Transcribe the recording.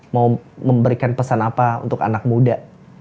mau memberikan pesan apa untuk anak muda